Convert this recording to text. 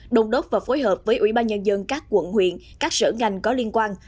đồng đốc và phối hợp với ủy ban nhân dân các quận huyện các sở ngành có liên quan